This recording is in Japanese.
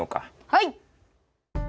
はい！